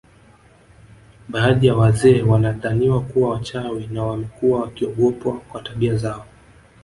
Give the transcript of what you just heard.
Baadhi ya wazee wanadhaniwa kuwa wachawi na wamekuwa wakiogopwa kwa tabia zao